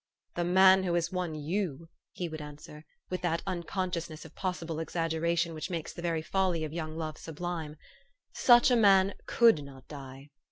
" The man who has won you" he would answer, with that unconsciousness of possible exaggeration which makes the very folly of young love sublime, " such a man could not die."